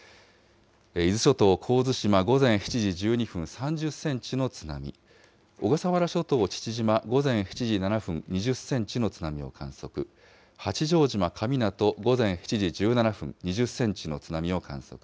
伊豆諸島神津島、午前７時１２分、３０センチの津波、小笠原諸島父島、午前７時７分、２０センチの津波を観測、八丈島神湊、午前７時１７分、２０センチの津波を観測。